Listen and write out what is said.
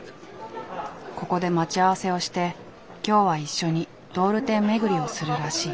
ここで待ち合わせをして今日は一緒にドール店巡りをするらしい。